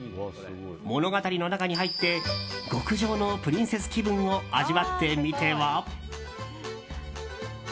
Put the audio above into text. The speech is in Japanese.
物語の中に入って極上のプリンセス気分を味わってみては？